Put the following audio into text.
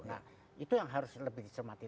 nah itu yang harus lebih dicermati